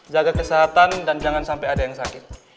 jaga kesehatan dan jangan sampai ada yang sakit